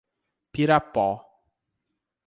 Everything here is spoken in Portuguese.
Pirapó